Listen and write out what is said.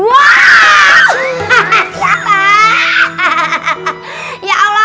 alhamdulillah semuanya selamat